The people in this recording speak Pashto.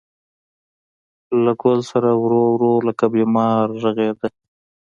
له ګل ســـــــره ورو، ورو لکه بیمار غـــــــږېده